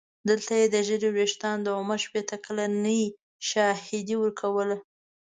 دلته یې د ږیرې ویښتانو د عمر شپېته کلنۍ شاهدي ورکوله.